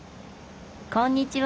こんにちは！